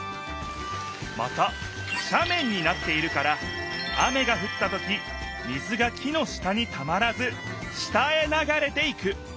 またしゃめんになっているから雨がふったとき水が木の下にたまらず下へながれていく。